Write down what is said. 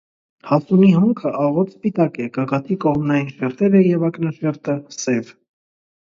Հասունի հոնքը աղոտ սպիտակ է, գագաթի կողմնային շերտերը և ակնաշերտը՝ սև։